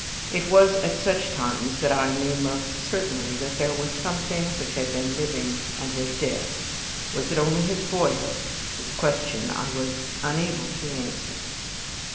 It was at such times that I knew most certainly that here was something which had been living and was dead. Was it only his boyhood? This question I was unable to answer.